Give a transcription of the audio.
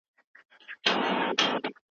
د نجونو زده کړه د عامه مشارکت کچه لوړه کوي.